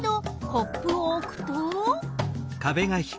コップをおくと。